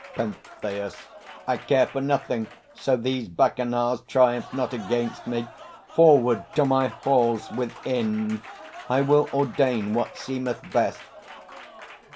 PENTHEUS. I care for nothing, so these Bacchanals Triumph not against me! ... Forward to my halls Within! I will ordain what seemeth best.